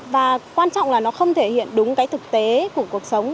và quan trọng là nó không thể hiện đúng cái thực tế của cuộc sống